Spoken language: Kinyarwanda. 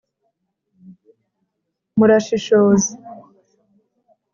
murashishoze